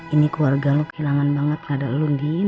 ini keluarga lo kehilangan banget gak ada elu indin